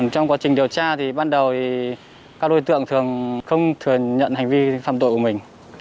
trong quá trình điều tra thì ban đầu các đối tượng thường không thừa nhận hành vi phạm tội của mình